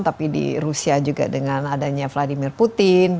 tapi di rusia juga dengan adanya vladimir putin